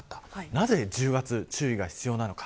なぜ１０月、注意が必要なのか。